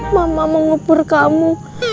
mama mengubur kamu